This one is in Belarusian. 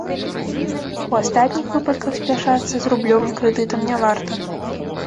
У астатніх выпадках спяшацца з рублёвым крэдытам не варта.